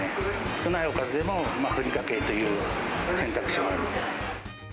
少ないおかずでもふりかけという選択肢を。